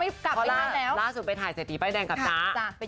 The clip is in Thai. เพราะล่าสุดไปถ่ายเสดีแป๊บแดงกับกระดับ